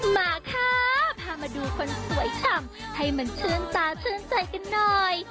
มาค่ะพามาดูคนสวยฉ่ำให้มันชื่นตาชื่นใจกันหน่อย